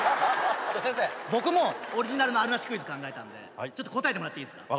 先生僕もオリジナルのあるなしクイズ考えたんで答えてもらっていいっすか？